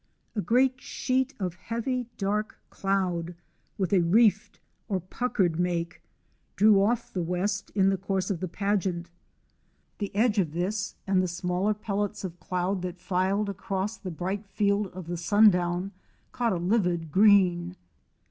A great sheet of hea\ ) dark cloud, with a reefed or puckered make, drew off the west in the course of the pageant : the edge of this and the smaller pellets of clond that filed aero s the bright field of the sundown caught a livid green.